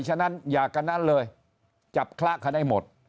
ฉะนั้นอย่ากันนั้นเลยจับคละกันได้หมด